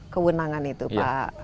kewenangan itu pak